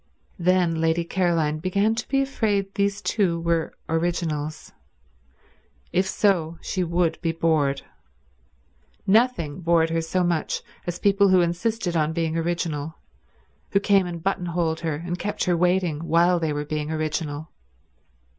Then Lady Caroline began to be afraid these two were originals. If so, she would be bored. Nothing bored her so much as people who insisted on being original, who came and buttonholed her and kept her waiting while they were being original.